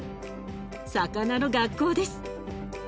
魚の学校です。